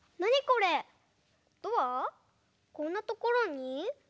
こんなところに？